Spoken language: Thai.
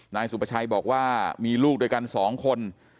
นายสุประชัยบอกว่ามีลูกด้วยกัน๒คน